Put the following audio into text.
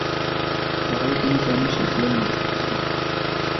তাহলে তুমি কেন শিখলেন না?